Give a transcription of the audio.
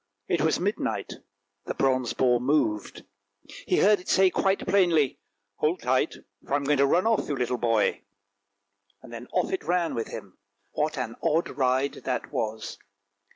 It was midnight, the bronze boar moved. He heard it say quite plainly, " Hold tight, for I am going to run off, you little boy! " Then off it ran with him. What an odd ride that was!